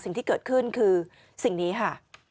สิ่งที่เกิดขึ้นคือสิ่งนี้ค่ะ